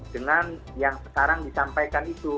dengan yang sekarang disampaikan itu